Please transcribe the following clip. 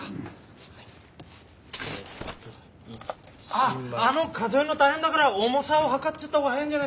あっあの数えるのたいへんだから重さをはかっちゃった方が早いんじゃないですかね？